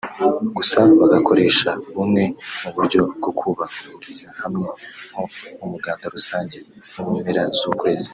gusa bagakoresha bumwe mu buryo bwo kubahuriza hamwe nko mu muganda rusange wo mu mpera z’ukwezi